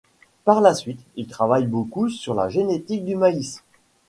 Par la suite, il travaille beaucoup sur la génétique du maïs.